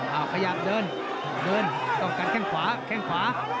เอาขยับเดินเดินต้องการแข้งขวาแข้งขวา